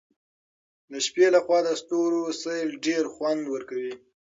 د شپې له خوا د ستورو سیل ډېر خوند ورکوي.